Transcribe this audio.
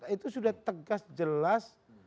itu sudah tegas jelas